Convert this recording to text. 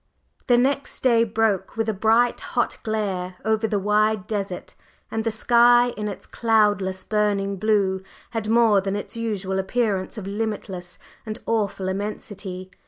The/ next day broke with a bright, hot glare over the wide desert, and the sky in its cloudless burning blue had more than its usual appearance of limitless and awful immensity.